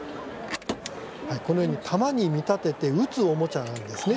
このように弾に見立てて撃つおもちゃなんです。